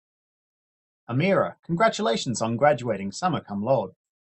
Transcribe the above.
"Amira, congratulations on graduating summa cum laude."